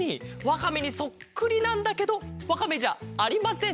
わかめにそっくりなんだけどわかめじゃありません。